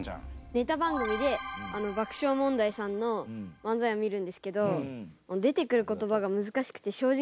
ネタ番組で爆笑問題さんの漫才を見るんですけど出てくる言葉が難しくて正直よく分かりません。